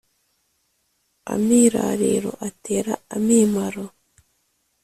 Amirariro atera amimaro.